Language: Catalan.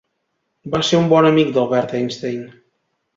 Va ser un bon amic d'Albert Einstein.